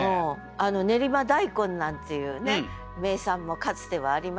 練馬大根なんていうね名産もかつてはありましたよね。